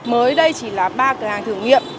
mới đây chỉ là ba cửa hàng thử nghiệm